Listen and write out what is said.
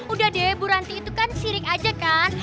udah deh bu ranti itu kan sirik aja kan